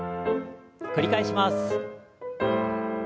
繰り返します。